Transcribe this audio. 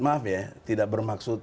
maaf ya tidak bermaksud